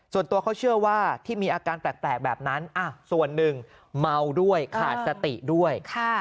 ส่วนตัวเขาเชื่อว่าที่มีอาการแปลกแบบนั้นส่วนหนึ่งเมาด้วยขาดสติด้วย